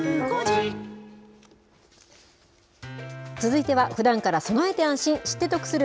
続いては、ふだんから備えて安心、知って得する！